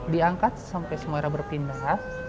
diangkat sampai semua orang berpindah